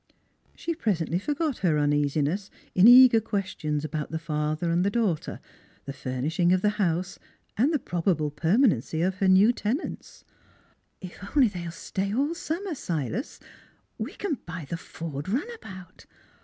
She presently forgot her uneasiness in eager questions about the father and daughter, the fur nishing of the house and the probable permanency of her new tenants. " If they'll only stay all summer, Silas, we can buy the Ford runabout.